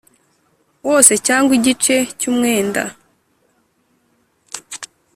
wose cyangwa igice cy umwenda